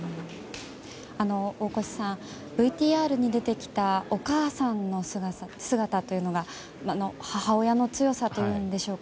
大越さんＶＴＲに出てきたお母さんの姿というのが母親の強さというんでしょうか。